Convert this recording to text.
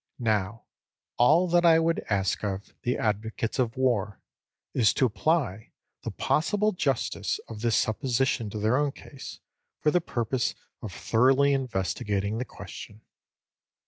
Now, all that I would ask of the advocates of war, is to apply the possible justice of this supposition to their own case, for the purpose of thoroughly investigating the question.